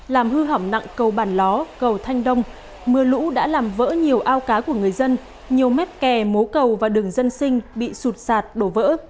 làm hư hỏng nặng cầu bản ló cầu thanh đông mưa lũ đã làm vỡ nhiều ao cá của người dân nhiều mét kè mố cầu và đường dân sinh bị sụt sạt đổ vỡ